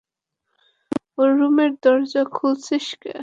ওর রুমের দরজা খুলেছিল কে?